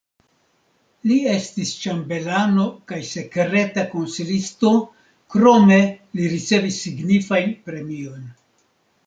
Li estis ĉambelano kaj sekreta konsilisto, krome li ricevis signifajn premiojn.